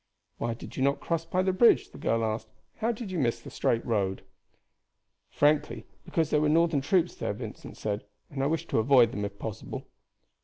"Why did you not cross by the bridge?" the girl asked. "How did you miss the straight road?" "Frankly, because there were Northern troops there," Vincent said, "and I wish to avoid them if possible."